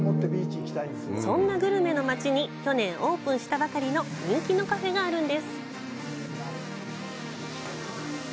そんなグルメの街に去年オープンしたばかりの人気のカフェがあるんです。